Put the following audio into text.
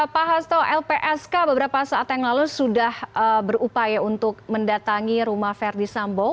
pak hasto lpsk beberapa saat yang lalu sudah berupaya untuk mendatangi rumah verdi sambo